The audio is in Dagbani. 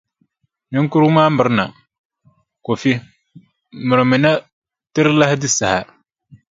Niŋkurugu maa mirina. Kofi mirimina, ti di lahi ku saha.